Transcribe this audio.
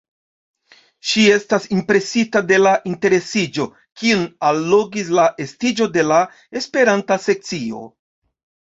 Ŝi estas impresita de la interesiĝo, kiun allogis la estiĝo de la Esperanta sekcio.